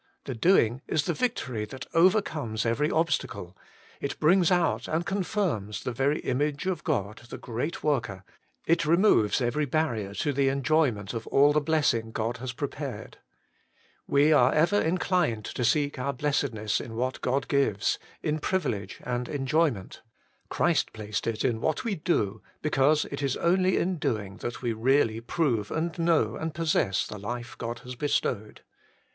The doing is the victory that overcomes every obstacle ; it brings out and confirms the very image of God, the Great Worker ; it removes every barrier to the enjoyment of all the blessing God has prepared. We are ever inclined to 140 Working for God seek our blessedness in what God gives, in privilege and enjoyment. Christ placed it in what we do, because it is only in doing that we really prove and know and possess the life God has bestowed.